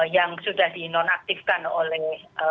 yang sudah di nonaktifkan oleh